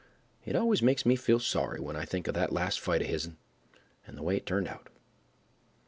It always makes me feel sorry when I think of that last fight of his'n, and the way it turned out.